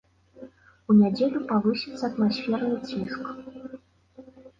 У нядзелю павысіцца атмасферны ціск.